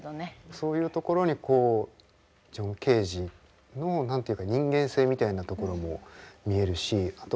そういうところにこうジョン・ケージの何て言うか人間性みたいなところも見えるしあと